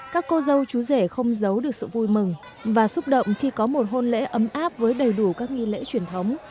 các cô dâu chú rể không giấu được sự vui mừng và xúc động khi có một hôn lễ ấm áp với đầy đủ các nghi lễ truyền thống